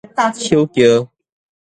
手轎